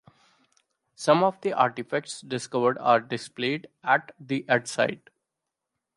Some of the artifacts discovered are displayed at the at site.